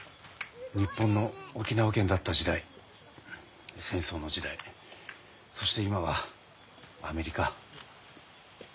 日本の沖縄県だった時代戦争の時代そして今はアメリカ。